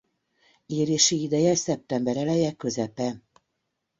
Érési ideje szeptember eleje-közepe.